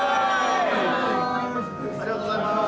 ありがとうございます。